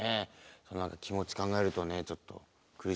その気持ち考えるとねちょっと苦しいですよね。